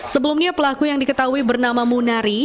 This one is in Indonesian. sebelumnya pelaku yang diketahui bernama munari